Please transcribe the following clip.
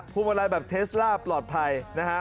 วงมาลัยแบบเทสล่าปลอดภัยนะฮะ